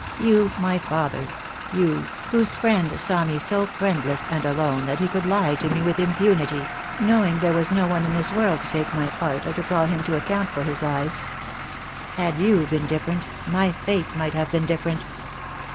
You, my father — you, whose friend saw me so friendless and alone that he could lie to me with impunity, knowing there was no one in this world to take my part or to call him to account for his lies. Had you been different, my fate might have been different."